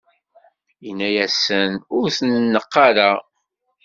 inna-asen: Ur t-neqq ara!